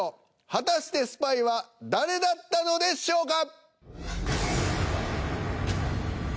果たしてスパイは誰だったのでしょうか？